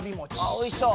おいしそう。